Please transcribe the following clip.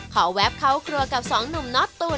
ขอแวบเขาครัวกับ๒หนุ่มนอดตัว